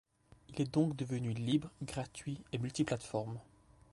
Il est donc devenu libre, gratuit et multiplateforme.